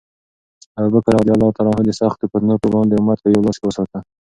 ابوبکر رض د سختو فتنو پر وړاندې امت په یو لاس کې وساته.